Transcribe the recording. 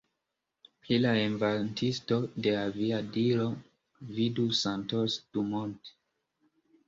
Pri la inventisto de aviadilo, vidu Santos Dumont.